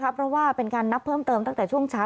เพราะว่าเป็นการนับเพิ่มเติมตั้งแต่ช่วงเช้า